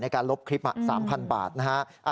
การลบคลิป๓๐๐บาทนะฮะ